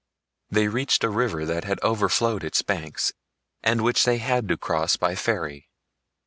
They reached a river that had overflowed its banks and which they had to cross by ferry.